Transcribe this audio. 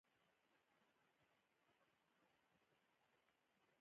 غول د بیا رغونې څرک دی.